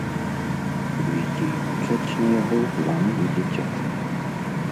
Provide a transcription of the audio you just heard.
Уздзейнічаць на яго вам будзе цяжка.